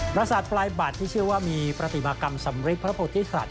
ประสาทปลายบัตรที่เชื่อว่ามีปฏิมากรรมสำริทพระโพธิสัตว